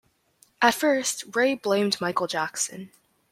At first, Ray blamed Michael Jackson.